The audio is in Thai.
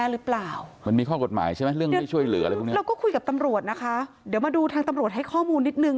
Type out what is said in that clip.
เราก็คุยกับตำรวจนะคะเดี๋ยวมาดูทางตำรวจให้ข้อมูลนิดนึง